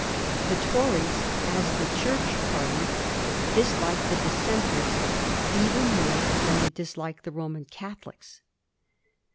The Tories as the Church party disliked the Dissenters even more than they disliked the Roman Catholics.